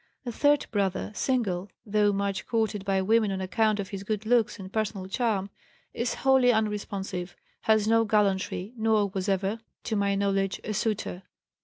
A third brother, single, though much courted by women on account of his good looks and personal charm, is wholly unresponsive, has no gallantry, nor was ever, to my knowledge, a suitor.